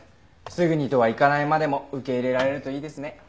すぐにとはいかないまでも受け入れられるといいですね。